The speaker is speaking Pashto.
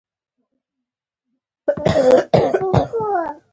نیکه د خپلې کورنۍ د ټولو اړتیاوو لپاره تل هڅه کوي.